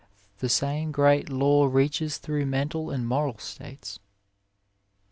The same great law reaches through mental and moral states.